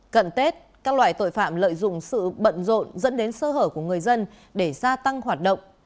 cận tết các loại tội phạm lợi dụng sự bận rộn dẫn đến sơ hở của người dân để gia tăng hoạt động